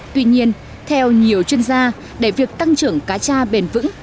tuy nhiên theo nhiều chuyên gia để việc tăng trưởng cá cha bền vững